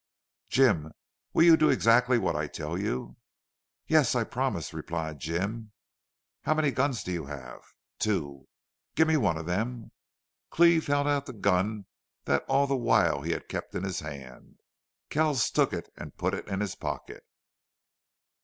"Jim, will you do exactly what I tell you?" "Yes, I promise," replied Jim. "How many guns have you?" "Two." "Give me one of them." Cleve held out the gun that all the while he had kept in his hand. Kells took it and put it in his pocket.